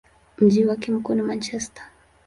Mji wake mkuu ni Manchester.